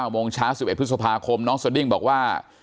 โมงเช้า๑๑พฤษภาคมน้องสดิ้งบอกว่า